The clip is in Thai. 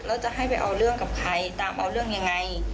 แล้วจะให้ไปเอาเรื่องกับใครตามเอาเรื่องยังไง